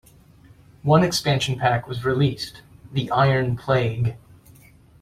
One expansion pack was released, "The Iron Plague".